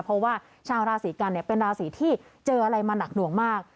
เพราะว่าชาวราศีกันเป็นราศีที่เจออะไรมาหนักหน่วงมาก